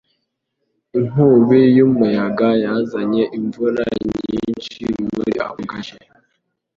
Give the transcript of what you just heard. Inkubi y'umuyaga yazanye imvura nyinshi muri ako gace.